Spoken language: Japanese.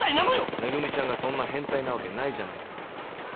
恵ちゃんがそんな変態なわけないじゃないか。